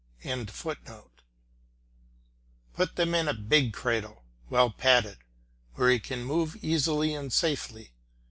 ] Put him in a big cradle, well padded, where he can move easily and safely.